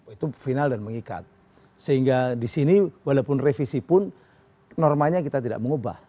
itu final dan mengikat sehingga di sini walaupun revisi pun normanya kita tidak mengubah